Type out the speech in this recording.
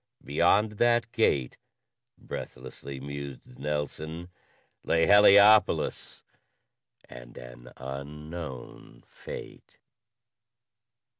Beyond that gate, breathlessly mused Nelson, lay Heliopolis and an unknown fate.